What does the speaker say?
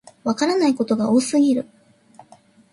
わからないことが多すぎる